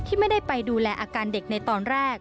ไม่ได้ไปดูแลอาการเด็กในตอนแรก